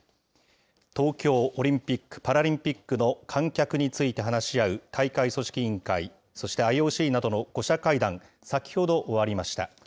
東京オリンピック・パラリンピックの観客について話し合う大会組織委員会、そしてＩＯＣなどの５者会談、先ほど終わりました。